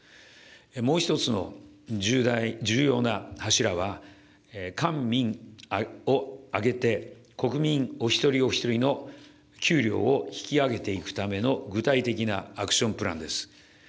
もう一つの重要な柱は、官民を挙げて国民お一人お一人の給料を引き上げていくための具体的なアクションプランです。